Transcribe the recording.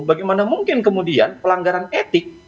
bagaimana mungkin kemudian pelanggaran etik